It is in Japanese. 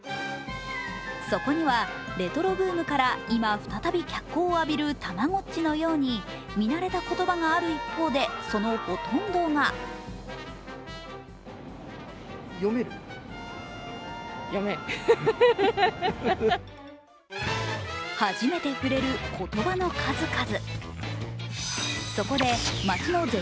そこには、レトロブームから今再び脚光を浴びるたまごっちのように、見慣れた言葉がある一方で、そのほとんどが初めて触れる言葉の数々。